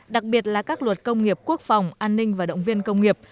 đặc biệt là các luật công nghiệp quốc phòng an ninh và động viên công nghiệp